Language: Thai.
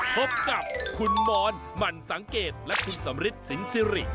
พบกับคุณมอนหมั่นสังเกตและคุณสำริทสินสิริ